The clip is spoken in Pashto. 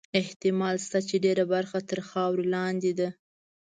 احتمال شته چې ډېره برخه تر خاورو لاندې ده.